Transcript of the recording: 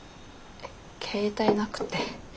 携帯なくて。